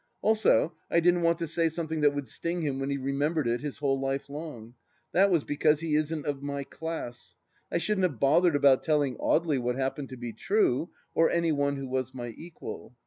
Also I didn't want to say something that would sting him when he remembered it his whole life long. That was because he isn't of my class ; I shouldn't have bothered about telling Audely what happened to be true, or any one who was my equal.